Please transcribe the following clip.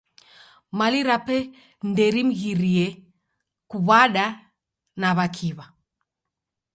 Mali rape nderimghirie kuw'ada na w'akiw'a.